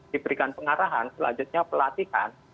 diberikan pengarahan selanjutnya pelatihan